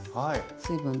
はい。